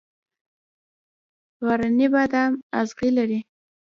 غرنی بادام اغزي لري؟